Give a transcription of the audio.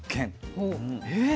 え⁉